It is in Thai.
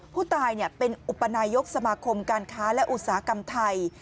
ผู้ตายเป็นอุปนายกสมาคมการค้าและอุตสาหกรรมไทย